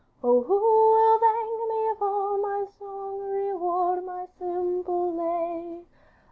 'Oh! who will thank me for my song, Reward my simple lay?